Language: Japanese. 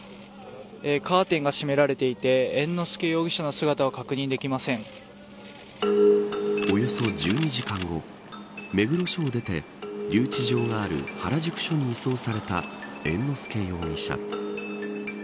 カーテンが閉められていて猿之助容疑者の姿をおよそ１２時間後目黒署を出て留置所がある原宿署に移送された猿之助容疑者。